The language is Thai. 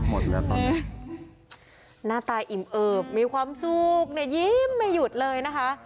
หน้าตายอิ่มเอิบมีความสุขยืมไม่ยุดเลยนะคะ